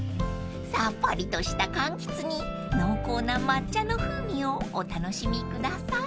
［さっぱりとしたかんきつに濃厚な抹茶の風味をお楽しみください］